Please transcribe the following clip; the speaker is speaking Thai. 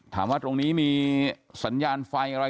ถามว่าตรงนี้มีสัญญาณไฟครับครับ